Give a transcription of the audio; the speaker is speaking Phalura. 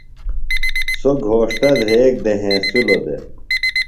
سوۡ گھوݜٹہ دھریگ دے ہنسِلوۡ دےۡ۔